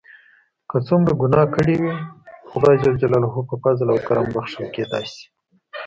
که څومره ګناه کړي وي خدای په فضل او کرم بښل کیدای شي.